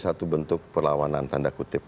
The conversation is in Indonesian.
satu bentuk perlawanan tanda kutip